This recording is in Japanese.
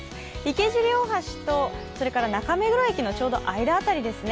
池尻大橋と中目黒駅のちょうど間ぐらいですね。